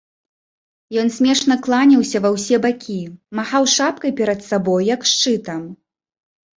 Ён смешна кланяўся ва ўсе бакі, махаў шапкай перад сабою, як шчытам.